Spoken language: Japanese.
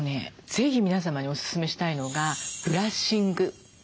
ぜひ皆様におすすめしたいのがブラッシング。